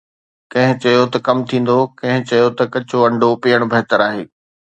ڪنهن چيو ته ڪم ٿيندو، ڪنهن چيو ته ڪچو انڊو پيئڻ بهتر آهي